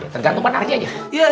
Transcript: tergantung pak narji aja